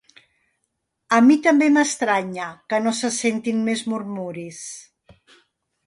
A mi també m'estranya que no se sentin més murmuris.